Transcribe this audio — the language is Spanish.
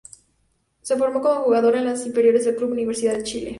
Se formó como jugadora en las inferiores del club Universidad de Chile.